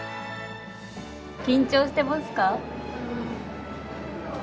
緊張してますか？